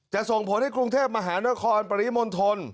ส่งผลให้กรุงเทพมหานครปริมณฑล